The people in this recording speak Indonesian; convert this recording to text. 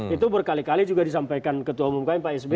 itu berkali kali juga disampaikan ketua umum km pak sby